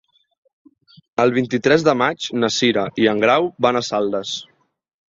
El vint-i-tres de maig na Cira i en Grau van a Saldes.